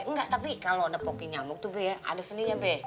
enggak tapi kalo nepoki nyamuk tuh be ada seninya be